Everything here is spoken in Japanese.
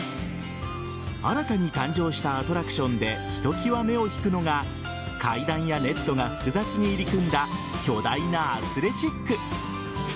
新たに誕生したアトラクションでひときわ目を引くのが階段やネットが複雑に入り組んだ巨大なアスレチック。